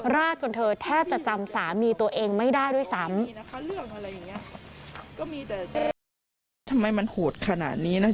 ราดจนเธอแทบจะจำสามีตัวเองไม่ได้ด้วยซ้ำ